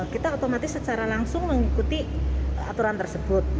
kita otomatis secara langsung mengikuti aturan tersebut